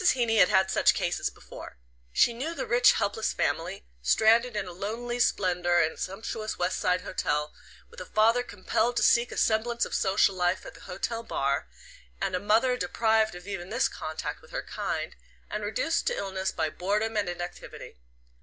Heeny had had such "cases" before: she knew the rich helpless family, stranded in lonely splendour in a sumptuous West Side hotel, with a father compelled to seek a semblance of social life at the hotel bar, and a mother deprived of even this contact with her kind, and reduced to illness by boredom and inactivity.